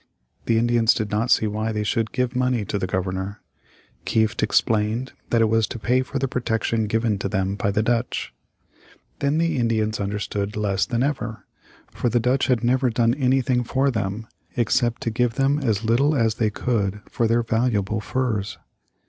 The Indians did not see why they should give money to the Governor. Kieft explained that it was to pay for the protection given to them by the Dutch. Then the Indians understood less than ever, for the Dutch had never done anything for them except to give them as little as they could for their valuable furs.